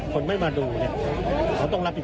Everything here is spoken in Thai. ผมว่าไม่ได้กล้าบถ่ายตรงนี้